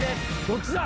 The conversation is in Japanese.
どっちだ